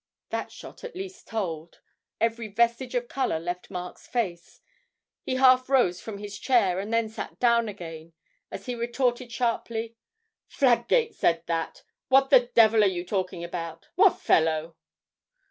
That shot at least told; every vestige of colour left Mark's face, he half rose from his chair, and then sat down again as he retorted sharply: 'Fladgate said that! What the devil are you talking about...? What fellow?'